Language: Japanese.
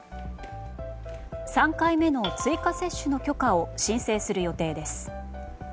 ３回目の追加接種の許可を申請する予定です。